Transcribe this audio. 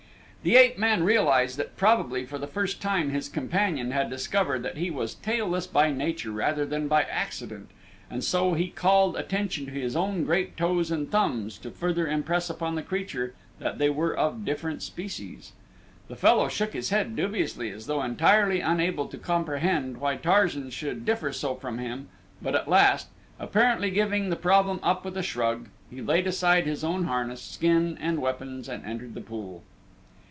The ape man realized that probably for the first time his companion had discovered that he was tailless by nature rather than by accident, and so he called attention to his own great toes and thumbs to further impress upon the creature that they were of different species. The fellow shook his head dubiously as though entirely unable to comprehend why Tarzan should differ so from him but at last, apparently giving the problem up with a shrug, he laid aside his own harness, skin, and weapons and entered the pool.